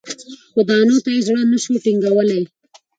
خو دانو ته یې زړه نه سو ټینګولای